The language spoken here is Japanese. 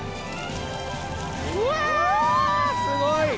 うわすごい！